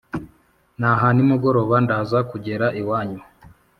naha nimugoroba ndaza kugera iwanyu."